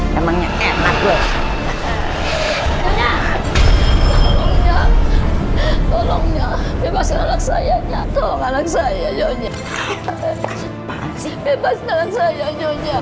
bebaskan anak saya